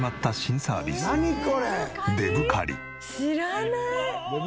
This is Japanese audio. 「知らない！」